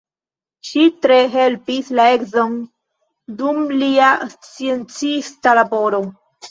Ŝi tre helpis la edzon dum lia sciencista laboro.